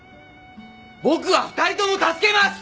僕は２人とも助けます！